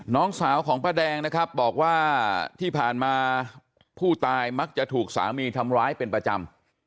น้องสาวของป้าแดงนะครับบอกว่าที่ผ่านมาผู้ตายมักจะถูกสามีทำร้ายเป็นประจำ